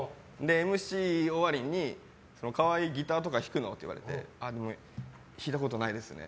ＭＣ終わりに河合、ギターとか弾くの？って言われて弾いたことないですね。